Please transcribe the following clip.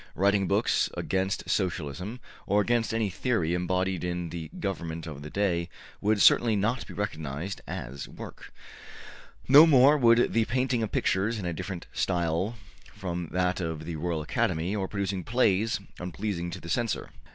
Writing books against Socialism, or against any theory embodied in the government of the day, would certainly not be recognized as work. No more would the painting of pictures in a different style from that of the Royal Academy, or producing plays unpleasing to the censor.